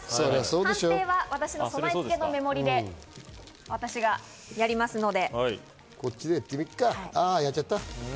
判定は備え付けのメモリで私がやりますので。